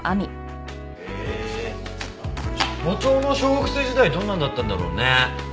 所長の小学生時代どんなんだったんだろうね？